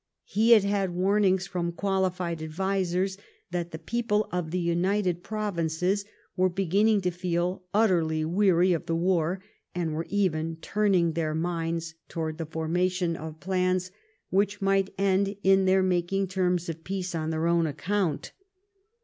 He had had warnings from quali fied advisers that the people of the United Provinces were beginning to feel utterly weary of the war, and were even turning their minds towards the formation of plans which might end in their making terms of peace on their own account.